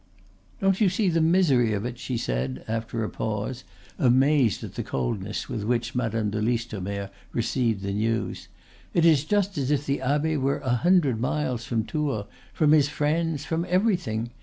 "Don't you see the misery of it?" she said, after a pause, amazed at the coldness with which Madame de Listomere received the news. "It is just as if the abbe were a hundred miles from Tours, from his friends, from everything!